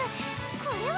これは。